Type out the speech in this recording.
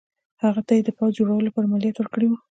هغه ته یې د پوځ جوړولو لپاره مالیات ورکړي وو.